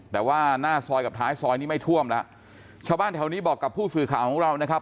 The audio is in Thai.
แต่ว่าหน้าซอยกับท้ายซอยนี้ไม่ท่วมแล้วชาวบ้านแถวนี้บอกกับผู้สื่อข่าวของเรานะครับ